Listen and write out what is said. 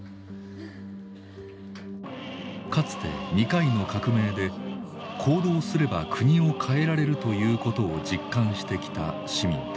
かつて２回の革命で行動すれば国を変えられるということを実感してきた市民たち。